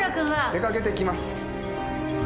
出かけてきます。